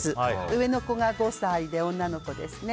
上の子が５歳で女の子ですね。